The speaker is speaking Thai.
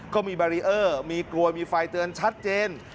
ก็มีบารีเออร์มีกลวยมีไฟเตือนชัดเจน